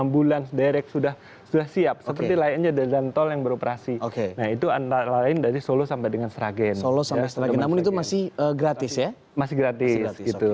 masih gratis gitu